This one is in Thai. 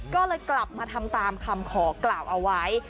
ก็เลยกลับมาทำตามคำขอกล่าวเอาไว้